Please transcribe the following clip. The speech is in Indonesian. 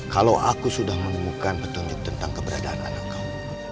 kalau aku sudah menemukan petunjuk tentang keberadaan anak kau